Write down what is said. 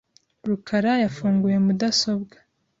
rukara yafunguye mudasobwa .